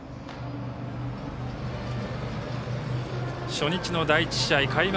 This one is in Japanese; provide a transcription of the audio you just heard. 初日の第１試合開幕